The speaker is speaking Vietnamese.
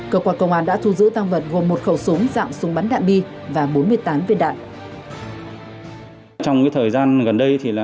cơ quan công an đã thu giữ tăng vật gồm một khẩu súng dạng súng bắn đạn bi và bốn mươi tám viên đạn